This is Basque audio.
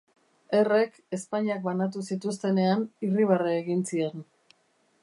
Errek, ezpainak banatu zituztenean, irribarre egin zion.